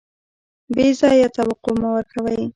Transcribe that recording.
بې ځایه توقع مه ورکوئ.